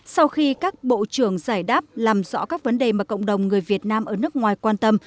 sau khi các bộ trưởng giải đáp làm rõ các vấn đề mà cộng đồng người việt nam ở nước ngoài quan tâm